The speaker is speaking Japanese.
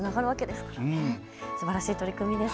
すばらしい取り組みです。